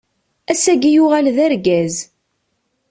Ass-agi yuɣal d argaz.